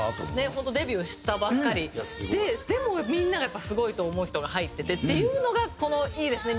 本当デビューしたばっかりででもみんながやっぱすごいと思う人が入っててっていうのがこのいいですね。